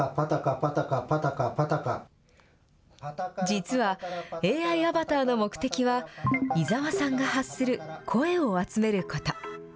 実は、ＡＩアバターの目的は、伊沢さんが発する声を集めること。